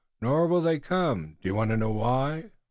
Nor will they come. Do you want to know why?"